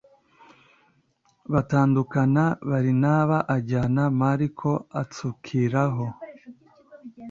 batandukana Barinaba ajyana Mariko atsukiraho